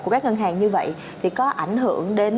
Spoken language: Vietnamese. của các ngân hàng như vậy thì có ảnh hưởng đến